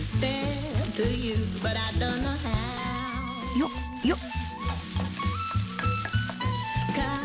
よっよっ！